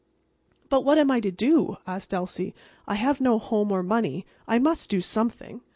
"But what am I to do?" asked Elsie. "I have no home or money. I must do something.